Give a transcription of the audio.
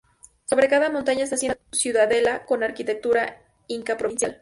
Sobre cada montaña se asienta una ciudadela con arquitectura inca-provincial.